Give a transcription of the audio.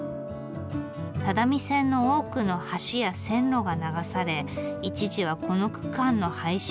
只見線の多くの橋や線路が流され一時はこの区間の廃止が検討されました。